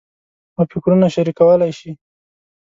او فکرونه شریکولای شي.